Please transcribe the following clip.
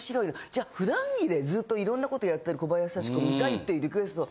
じゃあ普段着でずっといろんなことやってる小林幸子を見たいっていうリクエスト。